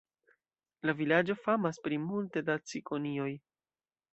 La vilaĝo famas pri multe da cikonioj.